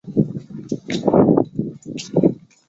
父亲景之是守护六角氏的家臣。